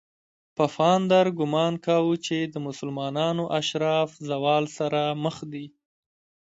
پفاندر ګومان کاوه چې د مسلمانانو اشراف زوال سره مخ دي.